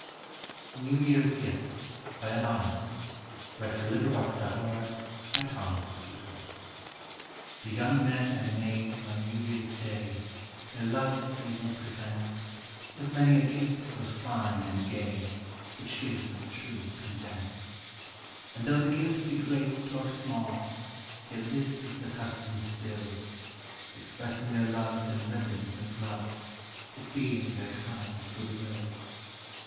God send us a happy New Year! New Christmas Carols, A.D. 1642. NEW YEAR'S GIFTS. The young men and maids on New Year's day, Their loves they will present With many a gift both fine and gay, Which gives them true content: And though the gift be great or small, Yet this is the custom still, Expressing their loves in ribbons and gloves, It being their kind good will.